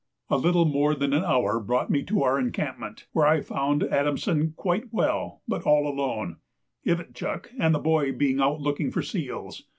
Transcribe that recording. A little more than an hour brought me to our encampment, where I found Adamson quite well but all alone, Ivitchuk and the boy being out looking for seals.